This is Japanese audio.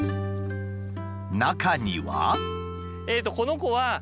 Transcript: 中には。